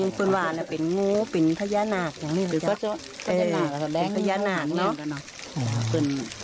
อย่างคุณว่าเป็นงูเป็นพยานาคเป็นพยานาคเนอะ